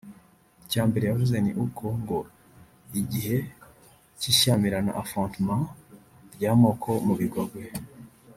Icya mbere yavuze ni uko ngo “Igihe cy’ishyamirana (affrontements) ry’amoko mu Bigogwe